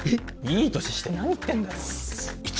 いい年して何言ってんだよシー！